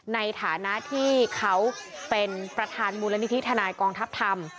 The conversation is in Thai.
ในฐานะที่เขาเป็นประธานมูลนิธิทนายกองทัพธรรม